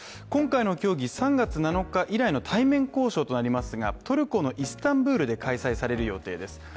今回の協議、３月７日以来の対面交渉となりますがトルコのイスタンブールで開催される予定です